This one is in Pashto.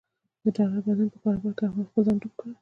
د ډالر د بدلون په کاروبار کې احمد خپل ځان ډوب یې کړ.